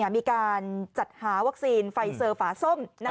มีการจัดหาวัคซีนไฟเซอร์ฝาส้ม